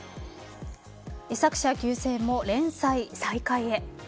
作者急逝も連載再開へ。